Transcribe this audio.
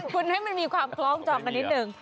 คุณให้มันมีความคล้องจองกันนิดนึง